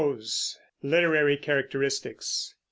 LITERARY CHARACTERISTICS.